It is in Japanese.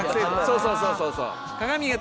そうそうそうそうそう。